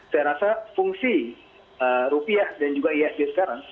setelah fungsi rupiah dan juga esg sekarang